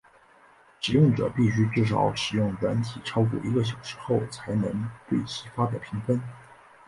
使用者必须至少使用软体超过一个小时后才能对其发表评分。